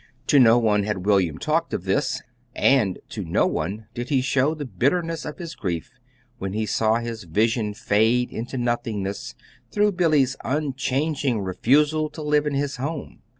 To no one had William talked of this and to no one did he show the bitterness of his grief when he saw his vision fade into nothingness through Billy's unchanging refusal to live in his home.